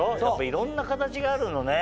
いろんな形があるのね。